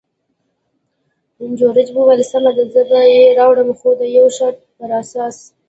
جورج وویل: سمه ده، زه به یې راوړم، خو د یو شرط پر اساس.